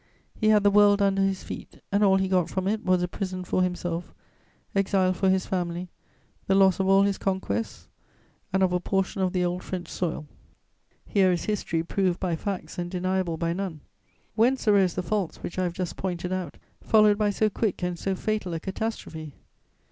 He had the world under his feet, and all he got from it was a prison for himself, exile for his family, the loss of all his conquests and of a portion of the old French soil. [Sidenote: Where Napoleon failed.] Here is history proved by facts and deniable by none. Whence arose the faults which I have just pointed out, followed by so quick and so fatal a catastrophe?